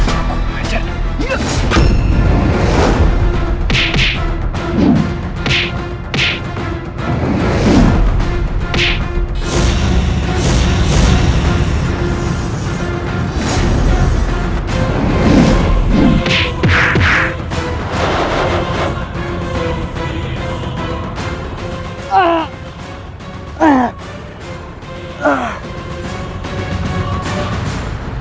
aku akan membawanya pergi dari sini